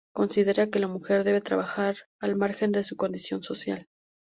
Considera que la mujer debe trabajar al margen de su condición social.